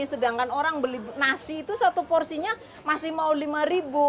sedangkan orang beli nasi itu satu porsinya masih mau rp lima